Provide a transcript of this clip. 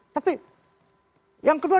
tapi yang kedua